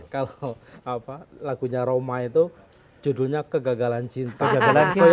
kalau lagunya roma itu judulnya kegagalan cinta